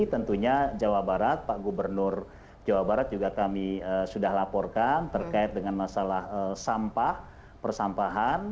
tentunya jawa barat pak gubernur jawa barat juga kami sudah laporkan terkait dengan masalah sampah persampahan